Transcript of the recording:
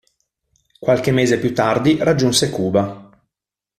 Qualche mese più tardi raggiunse Cuba.